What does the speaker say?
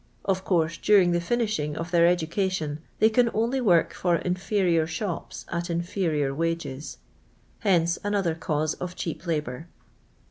Of course, during the finishing of their educition they can only work for inferior shops at inferior wages ; hence another caus« of cheap labour.